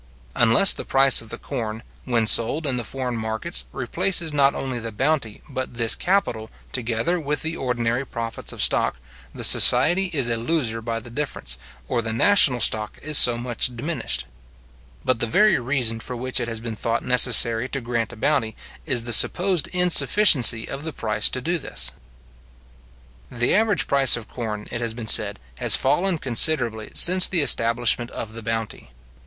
Unless the price of the corn, when sold in the foreign markets, replaces not only the bounty, but this capital, together with the ordinary profits of stock, the society is a loser by the difference, or the national stock is so much diminished. But the very reason for which it has been thought necessary to grant a bounty, is the supposed insufficiency of the price to do this. The average price of corn, it has been said, has fallen considerably since the establishment of the bounty.